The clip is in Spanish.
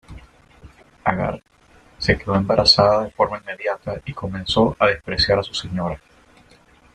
Agar se quedó embarazada de forma inmediata y comenzó a despreciar a su señora.